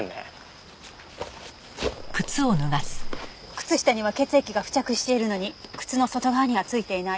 靴下には血液が付着しているのに靴の外側には付いていない。